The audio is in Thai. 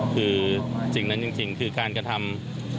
คือสิ่งนั้นจริงคือการกระทำ